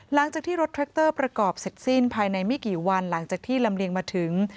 หลังจากที่รถแทรคเตอร์ประกอบเสร็จสิ้นภายในไม่กี่วันหลังจากที่ลำเลียงมาถึง